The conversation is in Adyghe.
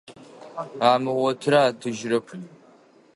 Амыгъотырэ атыжьырэп.